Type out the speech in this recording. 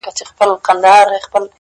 نه پوهېږم چي په څه سره خـــنـــديــــږي؛